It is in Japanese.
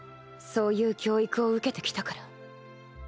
そういう教育を受けてきたから